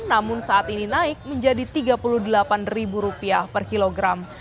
namun saat ini naik menjadi rp tiga puluh delapan per kilogram